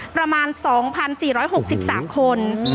ประมาณ๒๔๖๓คน